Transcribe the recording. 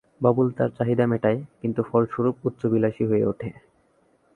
বাবলু তার চাহিদা মেটায়, কিন্তু ফলস্বরূপ উচ্চাভিলাষী হয়ে ওঠে।